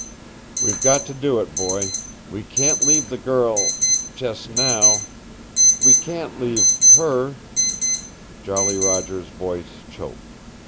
We've got to do it, boy. We can't leave the girl just now. We can't leave her " Jolly Roger's voice choked.